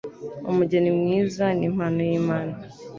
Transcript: umugeni mwiza n'impano y;imana